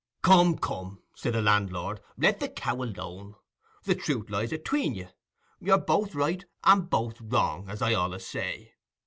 "Come, come," said the landlord; "let the cow alone. The truth lies atween you: you're both right and both wrong, as I allays say.